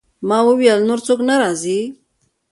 ما وویل: نور څوک نه راځي؟